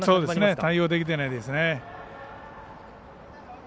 対応できてないですね。